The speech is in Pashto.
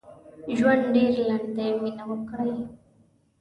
ژوند ډېر لنډ دي مينه وکړئ